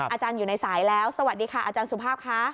อาจารย์อยู่ในสายแล้วสวัสดีค่ะอาจารย์สุภาพค่ะ